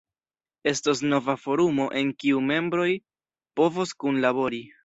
Estos nova forumo, en kiu membroj povos kunlabori.